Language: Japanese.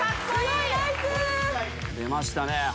出ましたね。